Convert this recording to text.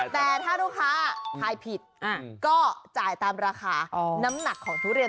แต่ถ้าลูกค้าทายผิดก็จ่ายตามราคาน้ำหนักของทุเรียน